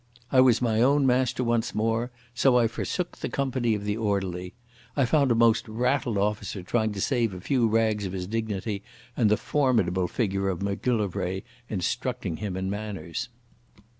I was my own master once more, so I forsook the company of the orderly. I found a most rattled officer trying to save a few rags of his dignity and the formidable figure of Macgillivray instructing him in manners.